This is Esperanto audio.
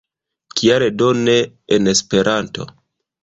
Kial do ne en Esperanto?